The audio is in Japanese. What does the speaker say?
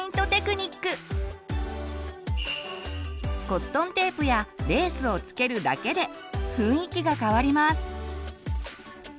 コットンテープやレースを付けるだけで雰囲気が変わります。